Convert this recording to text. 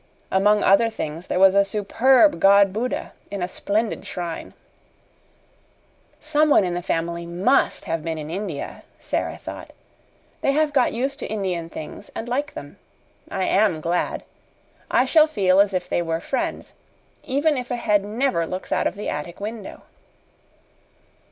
Among other things there was a superb god Buddha in a splendid shrine. "Someone in the family MUST have been in India," Sara thought. "They have got used to Indian things and like them. I AM glad. I shall feel as if they were friends, even if a head never looks out of the attic window."